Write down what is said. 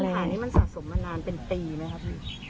ปัญหานี้มันสะสมมานานเป็นปีไหมครับพี่